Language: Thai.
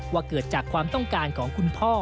ว่าเกิดจากความต้องการของคุณพ่อ